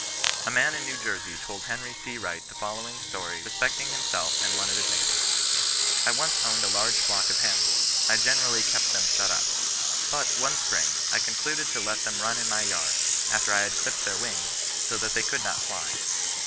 A man in New Jersey told Henry C. Wright the fol lowing story respecting himself and one of his neigh bours :" I once owned a large flock of hens ; I generally kept them shut up. But, one spring, I concluded to let them run in my yard, after I had clipped their wings, so that they could not fly.